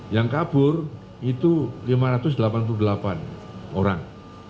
yang kabur itu lima ratus delapan puluh delapan orang